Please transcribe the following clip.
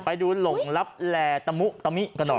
ไปดูหลงรับแหล่ตะมุตะมิกระดอบ